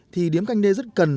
thì điếm canh d rất cần